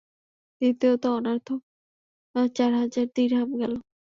দ্বিতীয়ত অনর্থক চার হাজার দিরহাম গেল।